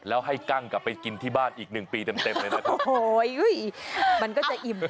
แล้วให้กั้งกลับไปกินที่บ้านอีกหนึ่งปีเต็มเต็มเลยนะครับโอ้โหมันก็จะอิ่ม